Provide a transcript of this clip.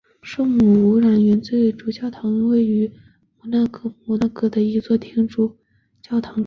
圣母无染原罪主教座堂是位于摩纳哥摩纳哥城的一座天主教主教座堂。